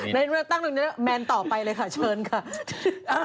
เลือกตั้งตรงนี้แมนต่อไปเลยค่ะเชิญค่ะ